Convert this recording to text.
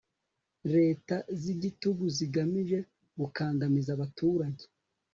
leta z'igitugu zigamije gukandamiza abaturage